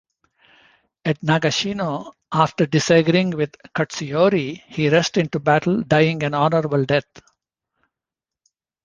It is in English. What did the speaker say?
At Nagashino, after disagreeing with Katsuyori, he rushed into battle, dying an honorable death.